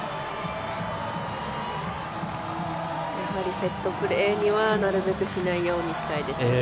やはりセットプレーにはなるべくしないようにしたいですね